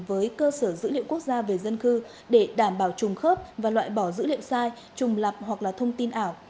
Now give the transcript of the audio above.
với cơ sở dữ liệu quốc gia về dân cư để đảm bảo trùng khớp và loại bỏ dữ liệu sai trùng lập hoặc là thông tin ảo